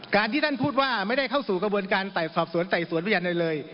การที่ท่านพูดว่าไม่ได้เข้าสู่กระบวนการต่ายสอบสวนต่ายสวนพยานเลย